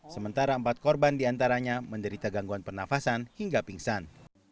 sementara empat korban diantaranya menderita gangguan pernafasan hingga pingsan